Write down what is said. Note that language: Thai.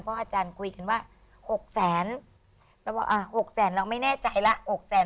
อาจารย์คุยกันว่า๖แสนเราบอกอ่ะ๖แสนเราไม่แน่ใจละหกแสน